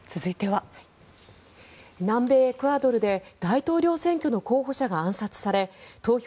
南米エクアドルで大統領選挙の候補者が暗殺され投票